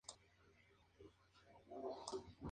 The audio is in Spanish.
Nacido en Ramos Mejía.